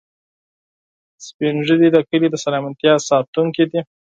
سپین ږیری د کلي د سلامتیا ساتونکي دي